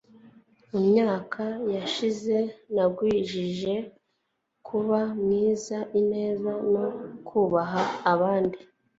Mu myaka yashize namwigishije kuba mwiza ineza no kubaha abandi